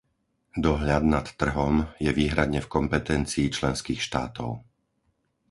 Dohľad nad trhom je výhradne v kompetencii členských štátov.